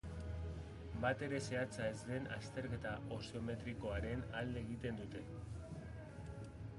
Batere zehatza ez den azterketa oseometrikoaren alde egiten dute.